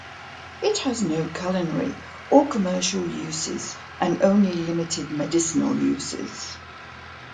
It has no culinary or commercial uses and only limited medicinal uses.